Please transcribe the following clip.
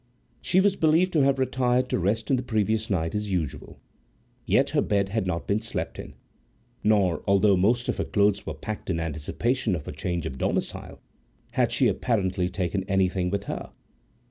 She was believed to have retired to rest on the previous night as usual, yet her bed had not been slept in. Nor, although most of her clothes were packed in anticipation of her change of domicile, had she apparently taken anything with her.